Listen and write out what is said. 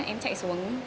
em chạy xuống